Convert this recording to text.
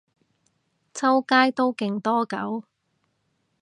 周街都勁多狗